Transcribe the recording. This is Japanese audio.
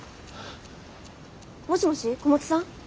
もしもし小松さん？